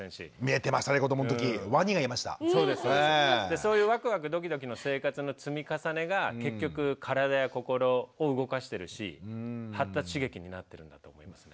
そういうワクワクドキドキの生活の積み重ねが結局体や心を動かしてるし発達刺激になってるんだと思いますね。